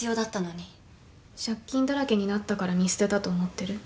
借金だらけになったから見捨てたと思ってる？